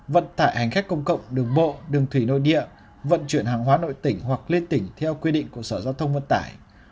vận tải hành khách công cộng đường bộ đường thủy nội địa vận chuyển hàng hóa nội tỉnh hoặc lên tỉnh theo quy định của sở giao thông vận tải